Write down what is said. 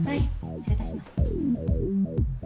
失礼いたします。